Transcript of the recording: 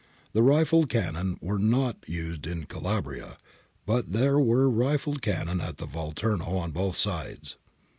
The rifled cannon were not used in Calabria, but there were rifled cannon at the Volturno on both sides.